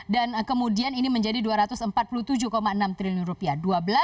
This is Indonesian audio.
dan kemudian ini menjadi dua ratus empat puluh tujuh enam triliun rupiah